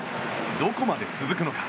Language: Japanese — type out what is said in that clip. どこまで続くのか。